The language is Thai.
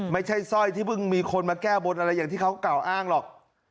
สร้อยที่เพิ่งมีคนมาแก้บนอะไรอย่างที่เขากล่าวอ้างหรอก